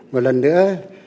một lần nữa